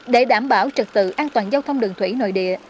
để đảm bảo trật tự an toàn giao thông đường thủy nội địa